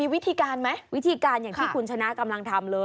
วิธีการนี้เกี่ยวว่า